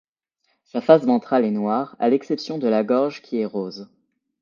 Sa face ventrale est noire à l'exception de la gorge qui est rose.